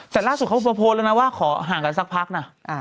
แต่ล่าสุดเขาก็โพสต์แล้วนะว่าขอห่างกันสักพักนะ